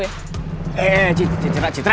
eh eh eh citra citra